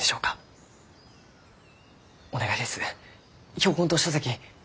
標本と書籍